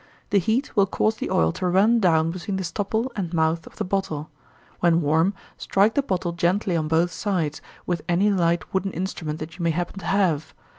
The heat will cause the oil to run down between the stopple and mouth of the bottle. When warm, strike the bottle gently on both sides, with any light wooden instrument that you may happen to have.